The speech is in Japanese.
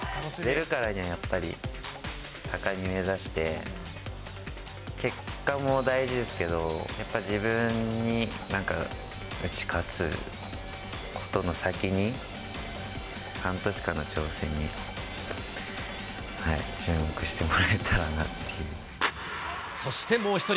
出るからにはやっぱり高み目指して、結果も大事ですけど、やっぱ自分になんか打ち勝つことの先に、半年間の挑戦に注目してもらえたらなっていう。